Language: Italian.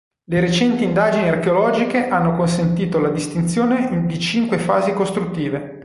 Le recenti indagini archeologiche hanno consentito la distinzione di cinque fasi costruttive.